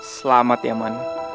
selamat ya man